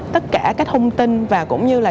tất cả các thông tin và cũng như là